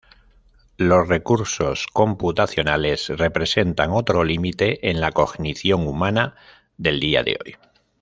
Los recursos computacionales representan otro límite en la cognición humana del día de hoy.